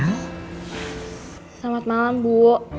selamat malam bu